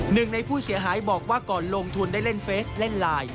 หนึ่งในผู้เสียหายบอกว่าก่อนลงทุนได้เล่นเฟสเล่นไลน์